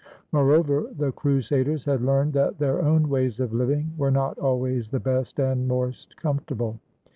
Moreover, the crusaders had learned that their own ways of living were not always the best and most comfortable.